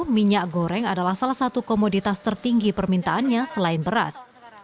minyak goreng adalah salah satu komoditas tertinggi permintaannya selain beras